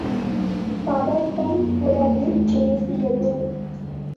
பதட்டம் குரலில் பேசியது.